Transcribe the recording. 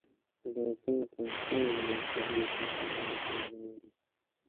دُو ڇا کوہستاناں مشکلاتوں تل آج بال منیگہ۔